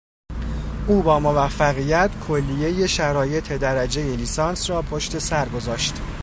او با موفقیت کلیهی شرایط درجه لیسانس را پشتسر گذاشت.